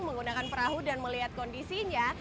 menggunakan perahu dan melihat kondisinya